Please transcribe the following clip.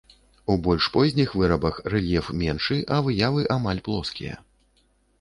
У больш позніх вырабах рэльеф меншы, а выявы амаль плоскія.